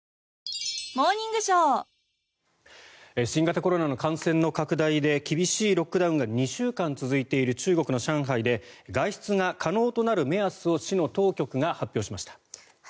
新型コロナの感染の拡大で厳しいロックダウンが２週間続いている中国の上海で外出が可能となる目安を市の当局が発表しました。